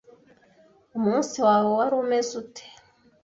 Umunsi wawe wari umeze ute?